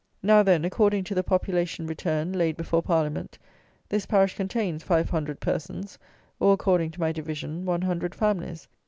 Now, then, according to the "Population Return," laid before Parliament, this parish contains 500 persons, or, according to my division, one hundred families.